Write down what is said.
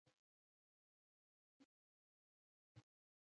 مالک د ملکیت ورکولو ته مجبوریږي.